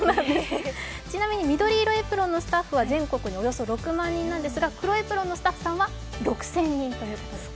ちなみに緑色エプロンのスタッフは全国におよそ６万人なんですが黒のエプロンの形は６０００人なんです。